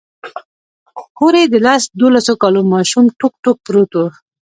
هورې د لس دولسو کالو ماشوم ټوک ټوک پروت و.